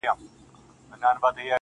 ولي مي هره شېبه هر ساعت پر اور کړوې,